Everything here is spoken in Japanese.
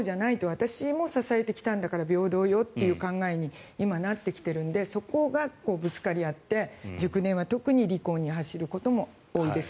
私も支えてきたんだから平等よっていう考え方に今、なってきているのでそこがぶつかり合って熟年は特に離婚に走ることも多いです。